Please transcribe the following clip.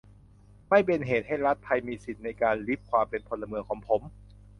ไม่เป็นเหตุให้รัฐไทยมีสิทธิในการริบความเป็นพลเมืองของผม